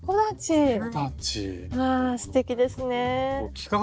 ああすてきですね。